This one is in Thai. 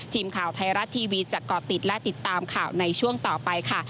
ทีมข่าวไทยรัฐทีวีจะก่อติดและติดตามข่าวในช่วงต่อไปค่ะ